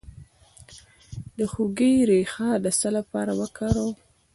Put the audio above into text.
د هوږې ریښه د څه لپاره وکاروم؟